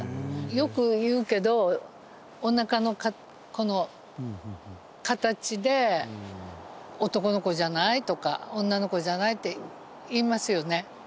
よく言うけどおなかのこの形で男の子じゃない？とか女の子じゃない？って言いますよね。